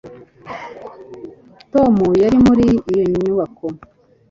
tom yari muri iyo nyubako